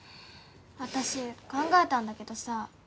私考えたんだけどさ。